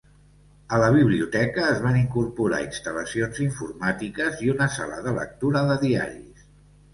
A la biblioteca es van incorporar instal·lacions informàtiques i una sala de lectura de diaris.